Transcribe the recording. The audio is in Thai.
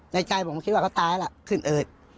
ใจผมคิดว่าเขาตายล่ะขึ้นอืด